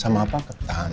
sama apa ketan